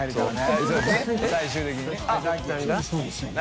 最終的にね。